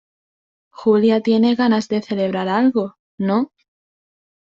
Julia tiene ganas de celebrar algo, ¿ no?